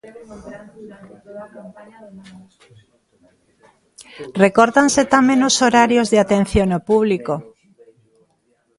Recórtanse tamén os horarios de atención ao público.